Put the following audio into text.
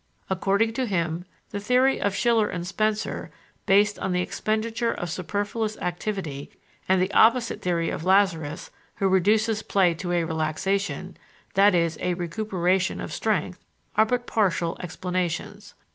According to him the theory of Schiller and Spencer, based on the expenditure of superfluous activity and the opposite theory of Lazarus, who reduces play to a relaxation that is, a recuperation of strength are but partial explanations.